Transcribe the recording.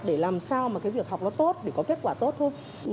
để làm sao mà cái việc học nó tốt để có kết quả tốt hơn